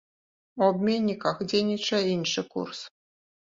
У абменніках дзейнічае іншы курс.